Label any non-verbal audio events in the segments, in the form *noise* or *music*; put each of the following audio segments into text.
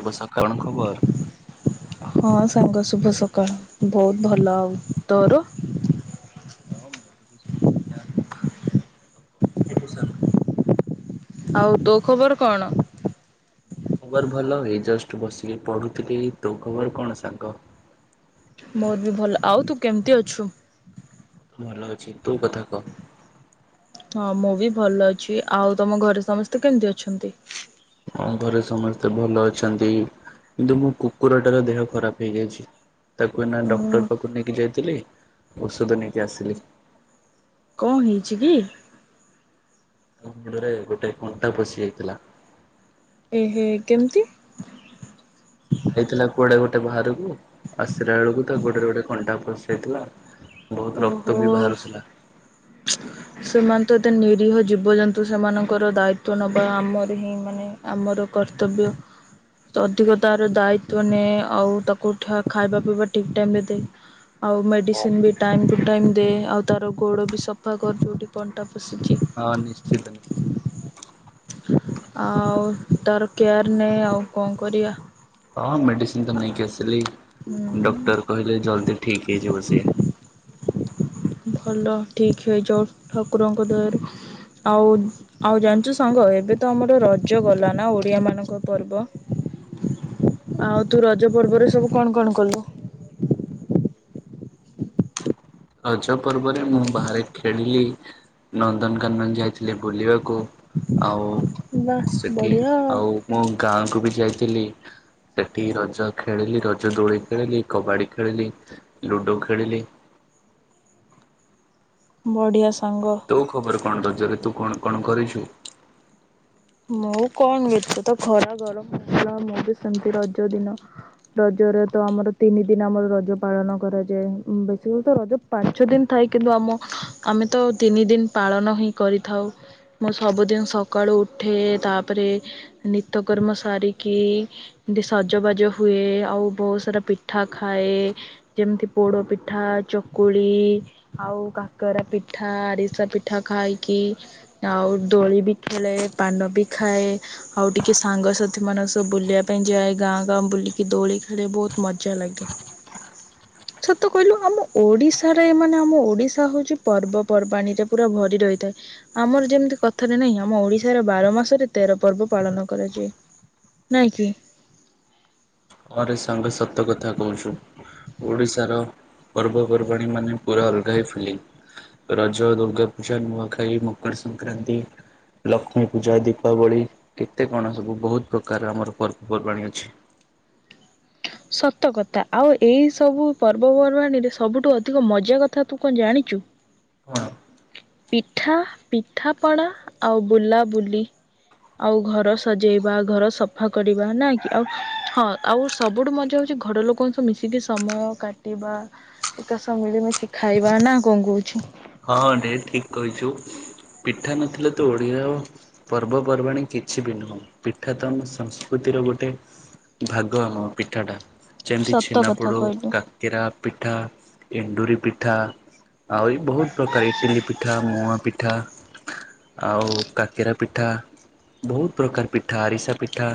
ଏବର୍ଷ କଣ ଖବର। ହଁ ସାଙ୍ଗ ଶୁଭ ସକାଳ ବହୁତ ଭଲ ଆଉ ତୋର ହଁ ମୋର ବି ସବୁ ବଢିଆ *unintelligible* ଆଉ ତୋ ଖବର କଣ ମୋ ଖବର ଭଲ ଏଇ ଜଷ୍ଟ ବସିକି ପଢ଼ୁଥିଲେ ତୋ ଖବର କଣ ସାଙ୍ଗ। ମୋର ବି ଭଲ ଆଉ ତୁ କେମିତି ଅଛୁ ଭଲ ଅଛି ତୋ କଥା କହ। ହଁ ମୁଁ ବି ଭଲ ଅଛି ଆଉ ତମ ଘରେ ସମସ୍ତେ କେମିତି ଅଛନ୍ତି। ତମ ଘରେ ସମସ୍ତେ ଭଲ ଅଛନ୍ତି। କିନ୍ତୁ ମୋ କୁକୁରଟାର ଦେହ ଖରାପ ହେଇଯାଇଛି। ତାକୁ ଏନା ଉଁ ଡକ୍ଟର ପାଖକୁ ନେଇକି ଯାଇଥିଲି ଔଷଧ ନେଇକି ଆସିଲି। କଅଁ ହେଇଛି ଗି? ଗୋଡରେ ଗୋଟେ କଣ୍ଟା ପଶି ଯାଇଥିଲା। ଏ, ହେ କେମିତି ଯାଇଥିଲା କୁଆଡେ ଗୋଟେ ବାହାରକୁ। ଆସିଲା ବେଳକୁ ତା ଗୋଟରେ ଗୋଟେ କଣ୍ଟା ପଶିଯାଇଥିଲା। ଓହୋ। ହ *inaudible* ସେମାନେ ତ ଏତେ ନିରୀହ ଜୀବଜନ୍ତୁ ସେମାନଙ୍କର ଦାୟିତଵ ନବା ଆମର ହିଁ ମାନେ ଆମର କର୍ତ୍ତବ୍ୟ ତ ଅଧିକ ତାର ଦାୟିତ୍ ନିଏ ଆଉ ତାକୁ ଖାଇବା ପିଇବା ଠିକ୍ ଟାଇମ୍ ଦେଏ ଆଉ ମେଡ଼ିସିନ ହଁ ବି ଟାଇମ ଟୁ ଟାଇମ ଦେ ଆଉ ତାର ଗୋଡ଼ ବି ସଫା କରୁ ଯେଉଠି କଣ୍ଟା ପଶିଛି ହଁ ନିଶ୍ଚିତ ନିଶ୍ଚିତ। ଆଉ ତାର କେୟାର ନେ ଆଉ କଅଁ କରିବା। ହଁ ମେଡ଼ିସିନ ତ ନେଇକି ଆସିଲି ହୁଁ ଡକ୍ଟର କହିଲେ ଜଲ୍ଦି ଠିକ୍ ହେଇଯିବ ସିଏ। ଭଲ ଠିକ୍ ହେଇ ଯାଉ ଠାକୁରଙ୍କ ଦୟା ରୁ ଆଉ ଆଉ ଜାଣିଛୁ ସାଙ୍ଗ ଏବେ ତ ଆମର ରଜ ଗଲା ନା ଓଡ଼ିଆ ମାନଙ୍କ ପର୍ବ ଆଉ ତୁ ରଜ ପର୍ବରେ ସବୁ କଣ କଣ କଲୁ? ରଜ ପର୍ବରେ ମୁଁ ବାହାରେ ଖେଳିଲି। ନନ୍ଦନକାନନ ଯାଇଥିଲେି ବୁଲିବାକୁ ଆଉ ବା ସେଠି ବଢ଼ିଆ ଆଉ ମୁଁ ଗାଁକୁ ବି ଯାଇଥିଲି। ସେଠି ରଜ ଖେଳିଲି ରଜ ଦୋଳି ଖେଳିଲି କବାଡ଼ି ଖେଳିଲି ଲୁଡ଼ୋ ଖେଳିଲି। ବଢିଆ ସାଙ୍ଗ। ତୁ ଖବର କଣ ରଜରେ ତୁ କଣ କଣ କରିଛୁ? ମୁଁ କଣ ଏତେ ତ ଖରା ଗରମ ଥିଲା ମୁଁ ବି ସେମତି ରଜ ଦିନ ରଜରେ ତ ଆମର ତିନି ଦିନ ଆମର ରଜ ପାଳନ କରାଯାଏ ବେଶୀ ହଉତ ରଜ ପାଞ୍ଚ ଦିନ ଥାଏ କିନ୍ତୁ ଆମ ଆମେ ତ ତିନି ଦିନ ପାଳନ ହିଁ କରିଥାଉ। ମୁଁ ସବୁଦିନ ସକାଳୁ ଉଠେ ତାପରେ ନିତକର୍ମ ସାରିକି। ଏମତି ସଜବାଜ ହୁଏ ଆଉ ବହୁତ ସାରା ପିଠା ଖାଏ। ଯେମିତି ପୋଡ଼ପିଠା ଚକୁଳି ଆଉ କାକରା ପିଠା ଆରିସା ପିଠା ଖାଇକି? ଆଉ ଦୋଳି ବି ଖେଳେ ପାନ ବି ଖାଏ। ଆଉ ଟିକେ ସାଙ୍ଗସାଥି ମାନଙ୍କ ସବୁ ବୁଲିବା ପାଇଁ ଯାଏ ଗାଁ ଗାଁ ବୁଲିକି ଦୋଳି ଖେଳେ ବହୁତ ମଜା ଲାଗେ। ସତ କହିଲୁ ଆମ ଓଡିଶାରେ ମାନେ ଆମ ଓଡିଶା ହଉଛି ପର୍ବପର୍ବାଣିୀରେ ପୁରା ଭରି ରହିଥାଏ। ଆମର ଯେମିତି କଥାରେ ନାହିଁ ଆମ ଓଡିଶା ଏହାର ବାର ମାସରେ ତେର ପର୍ବ ପାଳନ କରାଯାଏ ନାଇଁ କି? ଆରେ ସାଙ୍ଗ ସତ କଥା କହୁଛୁ। ଓଡ଼ିଶାର ପର୍ବପର୍ବାଣି ମାନେ ପୁରା ଅଲଗା ହିଁ ଫିଲିଙ୍ଗ। ରଜ, ଦୁର୍ଗା ପୂଜା, ନୁଆଁ ଖାଇ, ମକର ସଂକ୍ରାନ୍ତି, ଲକ୍ଷ୍ମୀ ପୂଜା, ଦୀପାବଳି, କେତେ କ'ଣ ସବୁ ବହୁତ ପ୍ରକାର ଆମର ପର୍ବପର୍ବାଣି ଅଛି। ସତକଥା ଆଉ ଏଇ ସବୁ ପର୍ବପର୍ବାଣିୀରେ ସବୁଠୁ ଅଧିକ ମଜା କଥା ତୁ କଣ ଜାଣିଛୁ। ହଁ। ପିଠା ପିଠାପଣା ଆଉ ବୁଲାବୁଲି। ଆଉ ଘର ସଜେଇବା ଘର ସଫା କରିବା ନା କି ଆଉ ହଁ ଆଉ ସବୁଠୁ ମଜା ହଉଛି ଘରଲୋକଙ୍କ ସବୁ ମିଶିକି ସମୟ କାଟିବା ଏକା ସହ ମିଳିମିଶି ଖାଇବା ନା କ'ଣ କହୁଛୁ? ହଁଣ୍ଡେ ଠିକ କହିଛୁ ପିଠା ନଥିଲା ତୁ ଓଡିଆ ଆ ପର୍ବପର୍ବାଣି କିଛି ବି ନୁହେଁ ପିଠ ତମ ସଂସ୍କୃତିର ଗୋଟେ ଭାଗ ଆମ ପିଠା ଟା ଯେମିତି ସତ ଛେନା କଥା ପୋଡା କହିଲୁ। କାକରା ପିଠା ଏଣ୍ଡୁରି ପିଠା ଆଉରି ବହୁତ ପ୍ରକାର ଇଟିଲି ପିଠା ମୁଆ ପିଠା ଆଉ କାକେରା ପିଠା। ବହୁତ ପ୍ରକାର ପିଠା ଆରିସା ପିଠା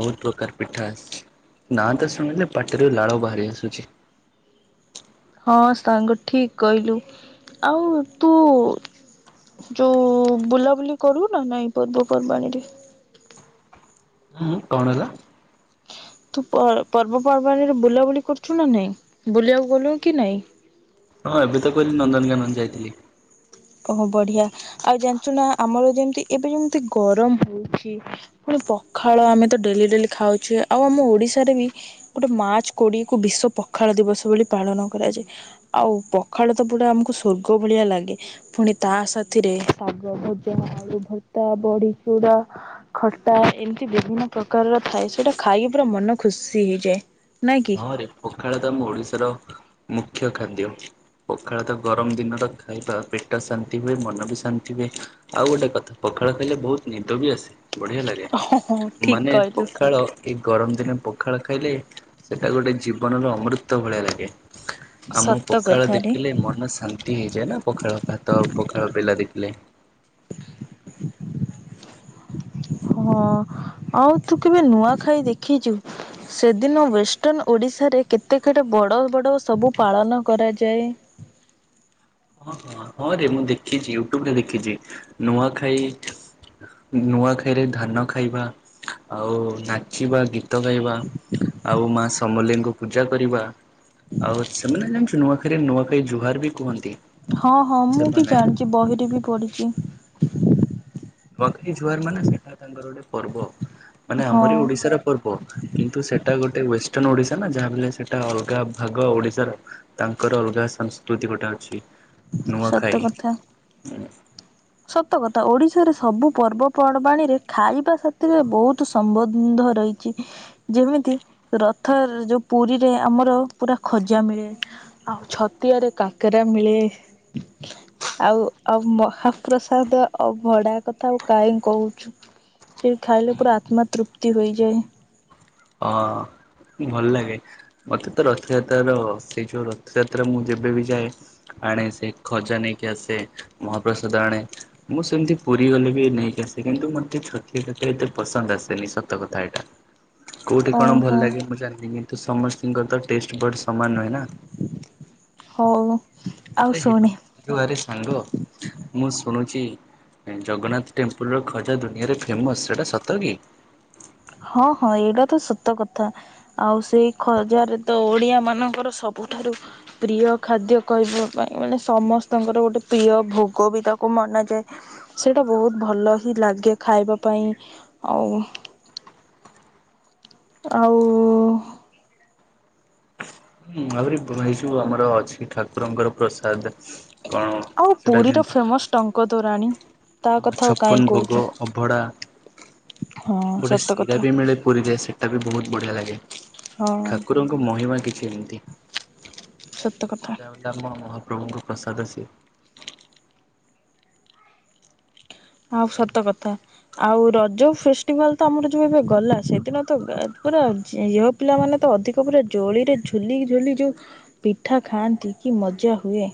ବହୁତ ପ୍ରକାର ପିଠା। ନା ତ ଶୁଣିଲେ ପାଟିରୁ ଲାଳ ବାହାରି ଆସୁଛି। ହଁ ସାଙ୍ଗ ଠିକ କହିଲୁ ଆଉ ତୁ ଯୋଉଁ ବୁଲାବୁଲି କରୁ ନା ନାଇଁ ପର୍ବପର୍ବାଣିରେ ହୁଁ କ'ଣ ହେଲା? ତୁ ପର୍ବପର୍ବାଣିରେ ବୁଲାବୁଲି କରୁଛୁ ନା ନାଇଁ ବୁଲିବାକୁ ଗଲୁ କି ନାଇଁ? ହଁ ଏବେ ତ କହିଲି ନନ୍ଦନକାନନ ଯାଇଥିଲି। ଓହୋ ବଢିଆ ଆଉ ଜାଣିଛୁ ନା ଆମର ଯେମିତି ଏବେ ଯେମିତି ଗରମ ହଉଚି ପୁଣି ପଖାଳ ଆମେ ତ ଡେଲି ଡେଲି ଖାଉଛେ ଆଉ ଆମ ଓଡିଶାରେ ବି ଗୋଟେ ମାର୍ଚ୍ଚ କୋଡିଏ କୁ ବିଶ୍ଵ ପଖାଳ ଦିବସ ବୋଲି ପାଳନ କରାଯାଏ। ଆଉ ପଖାଳ ତ ପୁରା ଆମକୁ ସ୍ୱର୍ଗ ଭଳିଆ ଲାଗେ। ପୁଣି ତା ସାଥିରେ ଶାଗଭଜା ଆଳୁଭର୍ତା ବଢିଚୁରା ଖଟା ଏମିତି ବିଭିନ୍ନ ପ୍ରକାରର ଥାଏ ସେଇଟା ଖାଇକି ପୁରା ମନ ଖୁସି ହେଇଯାଏ। ନାଇଁ କି ହଁରେ ପଖାଳ ତ ଆମ ଓଡିଶାର ମୁଖ୍ୟ ଖାଦ୍ୟ। ପଖାଳ ତ ଗରମ ଦିନର ଖାଇବା ପେଟ ଶାନ୍ତି ହୁଏ ମନ ବି ଶାନ୍ତି ହୁଏ। ଆଉ ଗୋଟେ କଥା ପଖାଳ ଖାଇଲେ ବହୁତ ନିଦ ବି ଆସେ। ବଢିଆ ଲାଗେ ହଁ ହଁ ଠିକ ମାନେ କହିଲୁ ପଖାଳ ଏଇ ଗରମ ଦିନେ ପଖାଳ ଖାଇଲେ ସେଟା ଗୋଟେ ଜୀବନର ଅମୃତ ଭଳିଆ ଲାଗେ। ଆମ ସତ ପଖାଳ କଥାରେ। ଦେଖିଲେ ମନ ଶାନ୍ତି ହେଇଯାଏ ନା? ପଖାଳ ଭାତ ପଖାଳ ବେଲା ଦେଖିଲେ। ହଁ ଆଉ ତୁ କେବେ ନୂଆଖାଇ ଦେଖିଛୁ? ସେଦିନ ୱେଷ୍ଟର୍ଣ୍ଣ ଓଡ଼ିଶାରେ କେତେ କେଡେ ବଡ଼ ବଡ଼ ସବୁ ପାଳନ କରାଯାଏ। ହଁ ହଁ ହଁ ରେ ମୁଁ ଦେଖିଛି ୟୁଟୁବରେ ଦେଖିଛି ନୂଆଖାଇ ନୂଆଖାଇରେ ଧାନ ଖାଇବା ଆଉ ନାଚିବା ଗୀତ ଗାଇବା ଆଉ ମାସ ସମଲେଇ ଙ୍କୁ ପୂଜା କରିବା ଆଉ ସେମାନେ ଜାଣିଛୁ ନୂଆଖାଇରେ ନୂଆଖାଇ ଜୁହାର ବି କୁହନ୍ତି। ହଁ ହଁ ମୁଁ ବି ସେମାନେ। ଜାଣିଛି ବହିରେ ବି ପଢ଼ିଛି। ନୁଆଖାଇ ଜୁହାର ମାନେ ସେଟା ତାଙ୍କର ଗୋଟେ ପର୍ବ ମାନେ ହଁ ଆମରି ଓଡ଼ିଶାର ପର୍ବ କିନ୍ତୁ ସେଇଟା ଗୋଟେ ୱେଷ୍ଟର୍ଣ୍ଣ ଓଡ଼ିଶା ନା ଯାହାବି ହେଲେ ସେଇଟା ଅଲଗା ଭାଗ ଓଡ଼ିଶାର। ତାଙ୍କର ଅଲଗା ସଂସ୍କୃତି ଗୋଟେ ଅଛି ସତ ନୂଆଖାଇ ଉଁ। ସତକଥା ଓଡ଼ିଶାରେ ସବୁ ପର୍ବପର୍ବାଣୀ ରେ ଖାଇବା ସାଥିରେ ବୋହୁତୁ ସମ୍ବନ୍ଧିନ୍ଧ ରହିଛି। ଯେମିତି ରଥ ଯୋଉ ପୁରୀରେ ଆମର ପୁରା ଖଜା ମିଳେ। ଆଉ ଛତିଆରେ କାକେରା ମିଳେ ଆଉ ଆଉ ମହା ପ୍ରସାଦ ଅଭଡ଼ା କଥା ଆଉ କାହିଁ କହୁଛୁ। ସେ ଖାଇଲେ ପୁରା ଆତ୍ମା ତୃପ୍ତି ହୋଇଯାଏ। ଅଁ। ଭଲ ଲାଗେ ମତେ ତ ରଥଯାତ୍ରାର ସେଇ ଯୋଉ ରଥଯାତ୍ରା ମୁଁ ଯେବେ ବି ଯାଏ ଆଣେ ସେ ଖଜା ନେଇକି ଆସେ ମହାପ୍ରସାଦ ଆଣେ। ମୁଁ ସେମିତି ପୁରୀ ଗଲେ ବି ନେଇକି ଆସେ କିନ୍ତୁ ମୋତେ ଛତିଆ କାକେରା ଏତେ ପସନ୍ଦ ଆସେନି ସତ କଥା ଏଇଟା। କୋଉଠି କଣ ଭଲ ଓହୋ ଲାଗେ ମୁଁ ଜାଣିିନି କିନ୍ତୁ ସମସ୍ତଙ୍କିର ତ ଟେଷ୍ଟବର୍ଡ ସମାନ ନୁହେଁ ନା। ହଉ। ଆଉ ଆରେ ଶୁଣେ *unintelligible* ଆରେ ସାଙ୍ଗ ମୁଁ ଶୁଣୁଛି ନାଇଁ ଜଗନ୍ନାଥ ଟେମ୍ପୁଲ୍ ର ଖଜା ଦୁନିଆରେ ଫେମସ୍ ସେଇଟା ସତ କି? ହଁ ହଁ ଏଇଟା ତ ସତ କଥା। ଆଉ ସେଇ ଖଜାରେ ତ ଓଡ଼ିଆ ମାନଙ୍କର ସବୁଠାରୁ ପ୍ରିୟ ଖାଦ୍ୟ କହିବା ପାଇଁ ମାନେ ସମସ୍ତଙ୍କର ଗୋଟେ ପ୍ରିୟ ଭୋଗ ବି ତାକୁ ମନାଯାଏ। ସେଇଟା ବୋହୁତ ଭଲ ହିଁ ଲାଗେ ଖାଇବା ପାଇଁ ଆଉ ଆଉ ହୁଁ ଆହୁରି ଏଇ ଯୋଉ ଆମର ଅଛି ଠାକୁରଙ୍କର ପ୍ରସାଦ। କଣ ଆଉ ପୁରୀର ଫେମସ ଟଙ୍କତୋରାଣୀ। ଆମ ଛପନ୍ ଭୋଗ ଅଭଡ଼ା। ହଁ ଗୋଟେ ସତ ଶିରା କଥା ବି ମିଳେ ପୁରୀରେ ସେଟା ବି ବୋହୁତ ବଢ଼ିଆ ଲାଗେ। ହଁ ଠାକୁରଙ୍କ ମହିମା କିଛି ଏମିତି ସତ କଥା। *unintelligible* ଆମ ମହାପ୍ରଭୁଙ୍କ ପ୍ରସାଦ ସିଏ। ହଁ ସତ କଥା। ଆଉ ରଜ ଫେଷ୍ଟିଭାଲ ତ ଆମର ଯୋଉ ଏବେ ଗଲା ସେଦିନ ତ ଗା ପୁରା ଝିଅ ପିଲାମାନେ ତ ଅଧିକ ପୁରା ଜୋଳିରେ ଝୁଲିି ଝୁଲି ଯୋଉ ପିଠା ଖାଆନ୍ତି କି ମଜା ହୁଏ।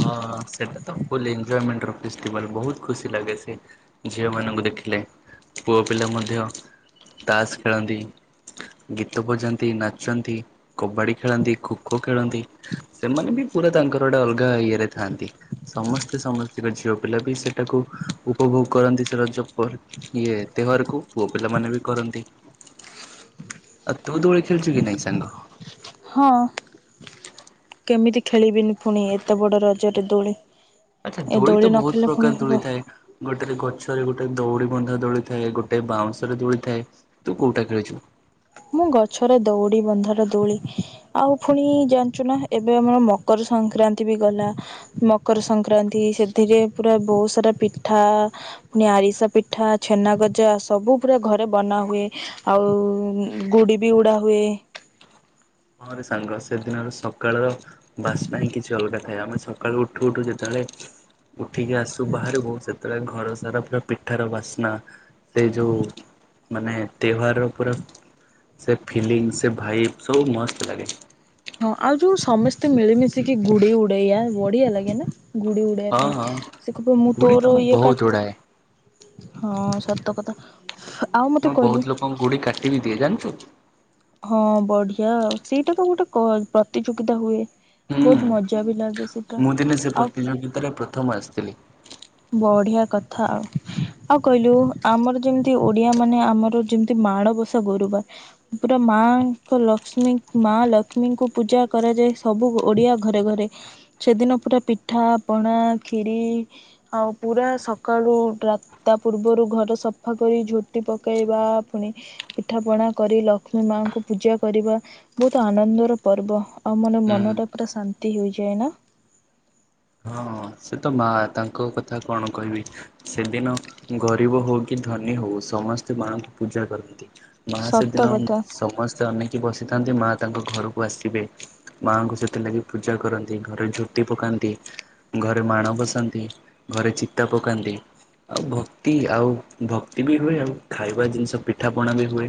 ହଁ ସେଟା ତ ଫୁଲ୍ ଏନଜୟମେଣ୍ଟ ର ଫେଷ୍ଟିବାଲ୍ ବୋହୁତ ଖୁସି ଲାଗେ ସେ। ଝିଅ ମାନଙ୍କୁ ଦେଖିଲେ ପୁଅ ପିଲା ମଧ୍ୟ ତାସ୍ ଖେଳନ୍ତି। ଗୀତ ବଜାନ୍ତି, ନାଚନ୍ତି, କବାଡ଼ି ଖେଳନ୍ତି, ଖୋଖୋ ଖେଳନ୍ତି। ସେମାନେ ବି ପୁରା ତାଙ୍କର ଗୋଟେ ଅଲଗା ଇଏ ରେ ଥାଆନ୍ତି। ସମସ୍ତେ ସମସ୍ତିଙ୍କ ଝିଅ ପିଲା ବି ସେଟାକୁ ଉପଭୋଗ କରନ୍ତି। ସେ ରଜ ପରି। ଇଏ ଏତେ ଘରକୁ ପୁଅ ପିଲା ମାନେ ବି କରନ୍ତି। ଆଉ ତୁ ଦୋଳି ଖେଳିଚୁ କି ନାଇଁ ସାଙ୍ଗ? ହଁ। କେମିତି ଖେଳିବିନି ପୁଣି ଏତେ ବଡ଼ ରଜରେ ଦୋଳି। ଆଚ୍ଛା ଏ ଦୋଳି ତ ନ ବୋହୁତ୍ ଖେଳିଲେ ପୁଣି ପ୍ରକାର ଦୋଳି ହବ ଥାଏ। ଗୋଟେରେ ଗଛରେ ଗୋଟେ ଦଉଡ଼ି ବନ୍ଧା ଦୋଳିଥାଏ। ଗୋଟେ ବାଉଁଶ ରେ ଦୋଳି ଥାଏ। ତୁ କୋଉଟା ଖେଳିଛୁ? ମୁଁ ଗଛରେ ଦଉଡ଼ି ବନ୍ଧର ଦୋଳି। ଆଉ ପୁଣି ଜାଣିଛୁ ନା ଏବେ ଆମର ମକର ସଂକ୍ରାନ୍ତି ବି ଗଲା। ମକର ସଂକ୍ରାନ୍ତି ସେଥିରେ ପୁରା ବହୁ ସାରା ପିଠା ଆରିସା ପିଠା, ଛେନା ଗଜା ସବୁ ପୁରା ଘରେ ବନା ହୁଏ। ଆଉ ଗୁଡ଼ି ବି ଉଡ଼ା ହୁଏ। ହଁ, ରେ ସାଙ୍ଗ ସେଦିନର ସକାଳ ବାସ୍ନା ହିଁ କିଛି ଅଲ୍ଗା। ଆମେ ସଖାଳୁ ଉଠୁ ଉଠୁ ଯେତଳେ ଉଠିକି ଆସୁ ବାହାରକୁ, ସେତେ--ଳେ ଘର ସାରା ପୁରା ପିଠାର ବାସ୍ନା। ସେ ଯଉ ମାନେ ତେହ୍ୱାର୍ ର ପୁରା ସେ ଫିଲିଙ୍ଗ୍ ସେ ଭାଇପ୍ ସବୁ ମସ୍ତ୍ ଲାଗେ। ହଁ ଆଉ ଯଉ ସମେସ୍ତେ ମିଳି ମିଶିକି ଗୁଡ଼ି ଉଡ଼େଇଆ, ବଢ଼ିଆ ଲାଗେନା। ଗୁଡ଼ି ଉ ହଁ ହଁ ଗୁଡି ତ ମୁଁ ବହୁତ ଉଡାଏ *inaudible* ମୁଁ ବହୁତ୍ ଲୋକଙ୍କ ଗୁଡ଼ି କାଟିବି ଦିଏ ଜା--ଚୁ। ହଁ ବଢ଼ିଆ, ସେଇଟା ତ ଗୋଟେ ପ୍ରତିଯୋଗିତା ହୁଏ। ହୁଁ ବହୁତ୍ ମଜା ବି ଲାଗେ ସେଟା। ମୁଁ ଦିନେ ଆ *inaudible* ବଢ଼ିଆ କଥା ଆଉ। ଆଉ କଇଲୁ, ଆମର ଯେମ୍ତି ଓଡ଼ିଆ ମାନେ ଆମର ଯେମ୍ତି ମାଣବସା ଗୁରୁ ବାର୍। ପୁରା ମା ଙ୍କ ଲ ମା ଲକ୍ଷ୍ମୀ ଙ୍କୁ ପୂଜା କରାଯାଏ, ସବୁ ଓଡ଼ିଆ ଘରେ ଘରେ। ଛେଦିନ ପୁରା ପିଠା, ପଣା, କ୍ଷୀରି ଆଉ ପୁରା ସଖାଳୁ ତା'ପୂର୍ବରୁ ଘର ସଫା କରି ଝୋଟି ପକେଇବା। ଫୁଣି ପିଠା, ପଣା କରି ଲକ୍ଷ୍ମୀ ମାଆଙ୍କୁ ପୂଜା କରିବା। ବହୁତ୍ ଆନନ୍ଦର ପର୍ବ, ଆଉ ହୁଁ ମନ ଟା ପୁରା ଶାନ୍ତି ହୋଇ ଯାଏନା। ହଁ ସେ ତ ମା', ତାଙ୍କ କଥା କ'ଣ କହିବି! ସେଦିନ ଗରିବ ହଉ କି ଧନି ହଉ ସମସ୍ତେ ମାଆ ପୁ? ପୂଜା କରନ୍ତି। ମା ସତ ସେଦିନ, କଥା ସମସ୍ତେ ଅନେଇକି ବସିଥାନ୍ତି ମା ତାଙ୍କ ଘରୁକୁ ଆସିବେ। ମାଆଙ୍କୁ ସେଥି ଲାଗି ପୂଜା କରନ୍ତି, ଘରେ ଝୋଟି ପକାନ୍ତି। ଘରେ ମାଣ ବସାନ୍ତି, ଘରେ ଚିତା ପକାନ୍ତି। ଆଉ ଭକ୍ତି ଆଉ ଭକ୍ତି ବି ହୁଏ, ଆଉ ଖାଇବା ଜିନ୍‌ଷ ପିଠା ପଣା ବି ହୁଏ।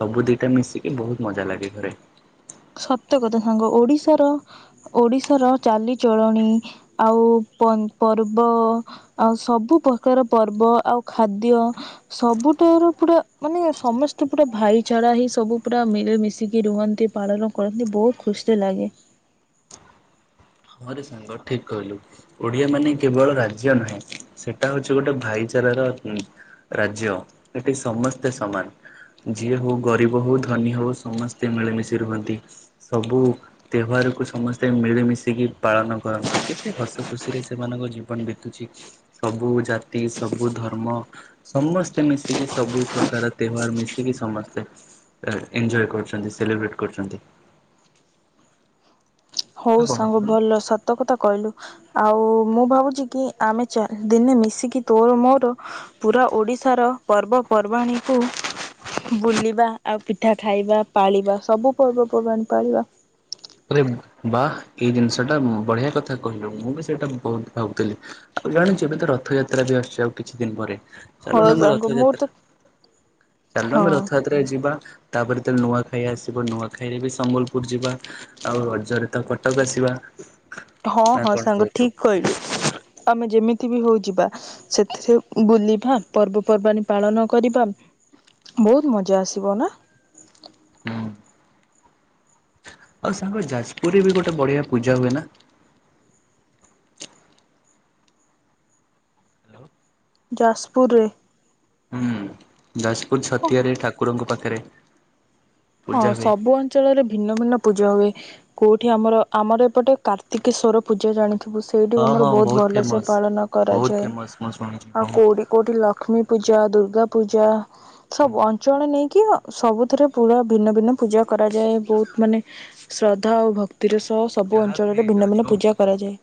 ସବୁ ଦିଟା ମିଶିକି ବହୁତ୍ ମଜା ଲାଗେ ଘରେ। ସତ କଥା ସାଙ୍ଗ, ଓଡ଼ିଶାର ଓଡ଼ିଶାର ଚାଲି ଚଳଣି ଆଉ---ପର୍ବ। ଆଉ ସବୁ କାର ପର୍ବ ଆଉ ଖାଦ୍ୟ। ସବୁଠାରୁ ପୁ, ମାନେ ସ--ସ୍ତେ ପୁରା ଭାଇଚାରା ହେଇ ସବୁ ପୁରା ମିଳି ମିଶିକି ରୁହନ୍ତି। ପାଳନ କରନ୍ତି, ବ--ତ୍ ଖୁସି ଲାଗେ। ହଁ, ରେ ସାଙ୍ଗ ଠିକ୍ କହିଲୁ। ଓଡ଼ିଆ ମାନେ କେବଳ ରାଜ୍ୟ ନୁହେଁ, ସେଟା ହଉଚି ଗୋଟେ ଭାଇ ଚାରାର ରାଜ୍ୟ, ଏଠି ସମସ୍ତେ ସମାନ୍‌। ଯିଏ ହଉ ଗରିବ ହଉ ଧନୀ ହଉ ସମସ୍ତେ ମିଳିମିଶି ରୁହନ୍ତି। ସବୁ ତେହ୍ୱାର କୁ, ସମସ୍ତେ ମିଳି ମିଶିକି ପାଳନ କରନ୍ତି, କେତେ ହସ ଖୁସିରେ ସେମାନଙ୍କ ଜୀବନ୍ ବିତୁଚି। ସବୁ ଜାତି ସବୁ ଧର୍ମ ସମସ୍ତେ ମିଶିକି, ସବୁ ପ୍ରକାର୍ ତେହ୍ୱାର୍ ମିଶିକି ସମସ୍ତେ ଏଞ୍ଜୟେ କରୁଚନ୍ତି, ସେଲିବ୍ରେଟ୍ କ--ଚନ୍ତି। ନା କଣ କହୁନୁ? *inaudible* ତ କଥା କହିଲୁ, ଆଉ ମୁଁ ଭାବୁଚି କି ଆମେ ଦିନେ ମିଶିକି ତୋର ମୋର ପୁରା ଓଡ଼ିଶାର ପର୍ବ ପର୍ବାଣୀକୁ ବୁଲିବା ଆଉ ପିଠା ଖାଇବା ପାଳିବା, ସବୁ ପର୍ବପର୍ବାଣୀ ପାଳିବା। ବା ଏଇ ଦିନ୍‌ଷ ଟା ବଢ଼ିଆ କଥା କହିଲୁ, ମୁଁ ବି ସେଇଟା ବହୁତ୍ ଭାବୁଥିଲି। ଆଉ ଜାଣିଚୁ, ଏବେ ତ ରଥଯାତ୍ରା ବି ଆ--ଚି ଆଉ କିଛି ଦିନ୍‌ ପରେ। ହଁ ସାଙ୍ଗ ମୋର ତ ହଁ *inaudible* ଯିବା, ତା'ପରେ ନୂଆଖାଇ ଆସିବ ନୂଆଖାଇରେ ବି ସମ୍ବଲ୍ ପୁର୍ ଯିବା। ଆଉ ରଜରେ ତ କଟକ ଆସିବା। ହଁ ନା ହଁ କଣ ସାଙ୍ଗ କହୁଛୁ? ଠିକ କହିଲୁ ଆମେ ଯେମିତି ବି ହଉ ଯିବା। ସେଥିରେ ବୁଲିବା ପର୍ବପର୍ବାଣିୀ ପାଳନ କରିବା। ବହୁତ ମଜା ଆସିବ ନା? ହୁଁ। ଆଉ ସାଙ୍ଗ ଯାଜପୁରରେ ବି ଗୋଟେ ବଢିଆ ପୂଜା ହୁଏ ନା। ଯାଜପୁରରେ ହୁଁ ଯାଜପୁର ହଁ ଛତିଆରେ ଠାକୁରଙ୍କ ପାଖରେ ହଁ ପୂଜା ହୁଏ। ସବୁ ଅଞ୍ଚଳରେ ଭିନ୍ନ ଭିନ୍ନ ପୂଜା ହୁଏ। କୋଉଠି ଆମର ଆମର ଏପଟେ କାର୍ତ୍ତିକେଶ୍ୱର ପୂଜା ଜାଣିଥିବୁ ସେ ସେଇଠି ହଁ ଆମର ହଁ ବହୁତ ଭଲସେ ଫେମସ୍ ପାଳନ ବହୁତ କରାଯାଏ, ଫେମସ୍ ମୁଁ ଶୁଣିଛି ଆଉ ବହୁତ। କୋଉଠି କୋଉଠି ଲକ୍ଷ୍ମୀ ପୂଜା, ଦୁର୍ଗା ପୂଜା ସବୁ ଅ ଅଞ୍ଚଳ ନେଇକି ସବୁଥିରେ ପୁରା ଭିନ୍ନ ଭିନ୍ନ ପୂଜା କରାଯାଏ ବହୁତ ମାନେ ଶ୍ରଦ୍ଧା ଆଉ ଭକ୍ତି କ୍ତିର ସହ ସବୁ ଯାହା ବି ଅଞ୍ଚଳରେ ଭିନ୍ନ ହେଇଯାଉ ଭିନ୍ନ ଯୋଉ ପୂଜା କରାଯାଏ।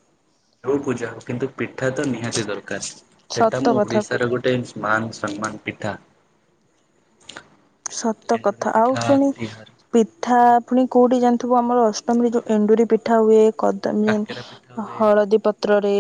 ହଉ ପୂଜା ହଉ କିନ୍ତୁ ପିଠା ତ ନିହାତି ଦରକାର, ସେଟା ସତ ମୁଁ କଥା ଓଡିଶାର ଗୋଟେ ମାନ ସମ୍ମାନ ପିଠା। ସତ ଏଣ୍ଡୁରି କଥା, ଆଉ ପିଠା ଶୁଣି ତିହାର ପିଠା ପୁଣି କୋଉଠି ଜାଣିଥିବୁ ଆମର ଅଷ୍ଟମୀରେ ଯୋଉ ଏଣ୍ଡୁରି ପିଠା ହୁଏ କାକେରା ପିଠା ମ ହୁଏ ହଳଦୀ ପତ୍ରରେ